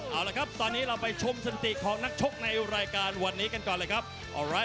เอาละครับตอนนี้เราไปชมสถิติของนักชกในรายการวันนี้กันก่อนเลยครับ